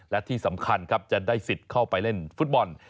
และที่สำคัญครับจะได้สิทธิ์เข้าไปเล่นฟุตบอล